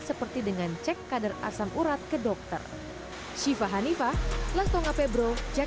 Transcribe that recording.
seperti dengan cek kadar asam urat ke dokter